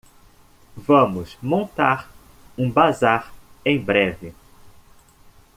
Vamos montar um bazar em breve